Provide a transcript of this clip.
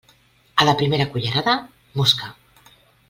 A la primera cullerada, mosca.